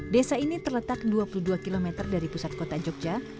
desa ini terletak dua puluh dua km dari pusat kota jogja